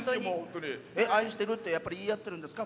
愛してるってやっぱり言い合ってるんですか。